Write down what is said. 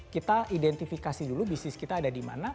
kita identifikasi dulu bisnis kita ada di mana